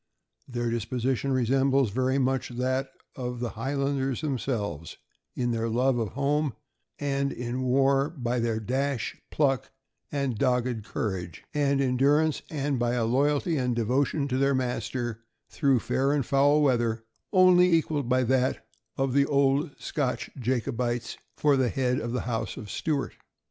Their disposition resembles very much that of the Highlanders themselves — in their love of home, and in war by their dash, pluck, and dogged courage and endur ance, and by a loyalty and devotion to their master, through fair and foul weather, only equaled by that of the old Scotch Jacobites for the head of the House of Stuart.